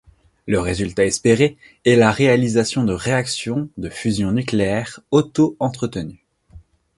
Le résultat espéré est la réalisation de réactions de fusion nucléaire auto-entretenues.